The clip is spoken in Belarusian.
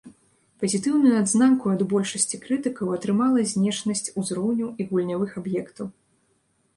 Пазітыўную адзнаку ад большасці крытыкаў атрымала знешнасць узроўняў і гульнявых аб'ектаў.